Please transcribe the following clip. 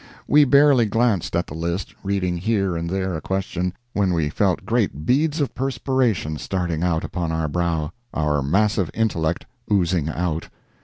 We barely glanced at the list, reading here and there a question, when we felt great beads of perspiration starting out upon our brow—our massive intellect oozing out.